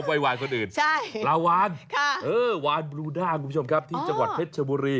ชอบไววานคนอื่นปลาวานวานบลูด้าที่จังหวัดเทศชมุรี